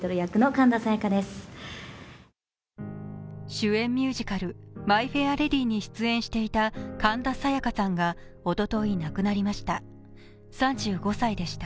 主演ミュージカル「マイ・フェア・レディ」に出演していた神田沙也加さんがおととい亡くなりました。